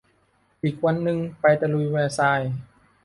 อีกวันนึงไปตะลุยแวร์ซายน์